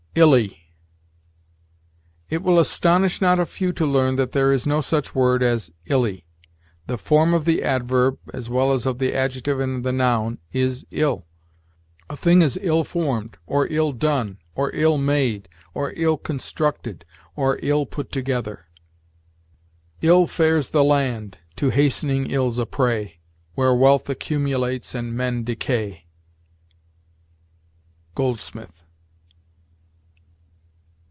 ILLY. It will astonish not a few to learn that there is no such word as illy. The form of the adverb, as well as of the adjective and the noun, is ill. A thing is ill formed, or ill done, or ill made, or ill constructed, or ill put together. "Ill fares the land, to hastening ills a prey, Where wealth accumulates and men decay." Goldsmith.